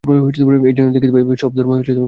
এইজন্যই দেখিতে পাই, সব ধর্মই পরস্পর বিবাদ করিতেছে।